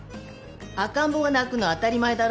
赤ん坊が泣くのは当たり前だろう。